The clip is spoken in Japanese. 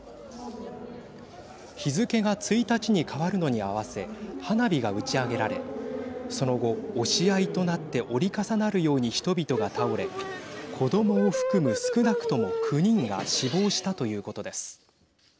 日付が１日に変わるのに合わせ花火が打ち上げられその後、押し合いとなって折り重なるように人々が倒れ子どもを含む、少なくとも９人が死亡したということです。